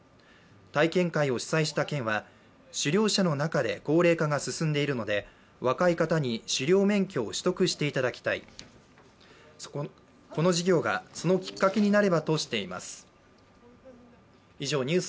体験会を主催した県は狩猟者の中で高齢化が進んでいるので若い方に狩猟免許を取得していただきたい、この事業がそのきっかけになればとしています